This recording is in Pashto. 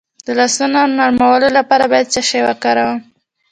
د لاسونو نرمولو لپاره باید څه شی وکاروم؟